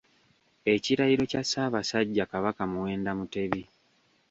Ekirayiro kya Ssabasajja Kabaka Muwenda Mutebi